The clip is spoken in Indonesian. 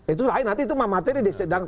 itu lain nanti itu materi disidang